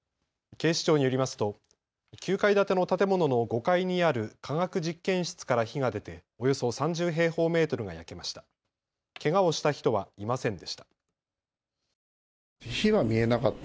警視庁によりますと９階建ての建物の５階にある化学実験室から火が出ておよそ３０平方メートルが焼けました。